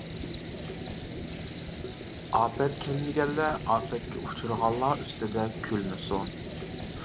ئاپەت كەلمىگەنلەر ئاپەتكە ئۇچرىغانلار ئۈستىدە كۈلمىسۇن!